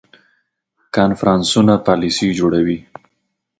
کنفرانسونه پالیسي جوړوي